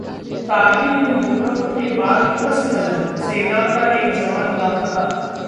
करगिल में भूकंप के बाद हिमस्खलन, सेना का एक जवान लापता